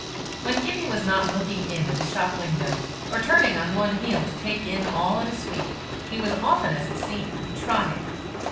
When Gibbie was not looking in at a shop window, or turning on one heel to take in all at a sweep, he was oftenest seen trotting.